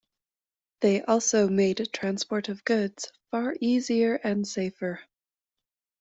They also made transport of goods far easier and safer.